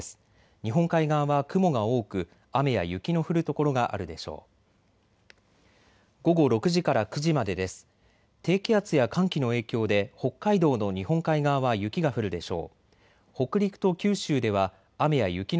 日本海側は雲が多く雨や雪の降る所があるでしょう。